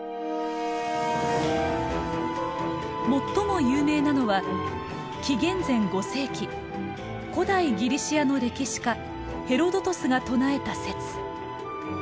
最も有名なのは紀元前５世紀古代ギリシアの歴史家ヘロドトスが唱えた説。